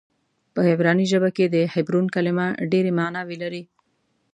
په عبراني ژبه کې د حبرون کلمه ډېرې معناوې لري.